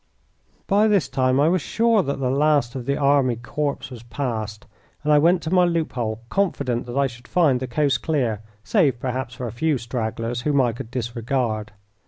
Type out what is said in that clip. By this time I was sure that the last of the army corps was past, and I went to my loophole confident that I should find the coast clear, save, perhaps, for a few stragglers, whom I could disregard.